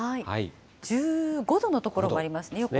１５度の所もありますね。